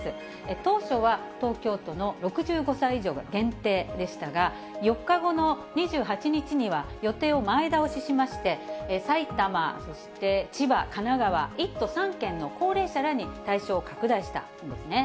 当初は東京都の６５歳以上が限定でしたが、４日後の２８日には予定を前倒ししまして、埼玉、そして千葉、神奈川、１都３県の高齢者らに対象を拡大したんですね。